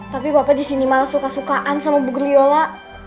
tapi bapak disini malah suka sukaan sama bu geliola